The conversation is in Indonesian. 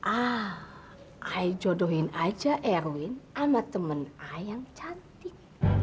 ah saya jodohin saja erwin sama teman saya yang cantik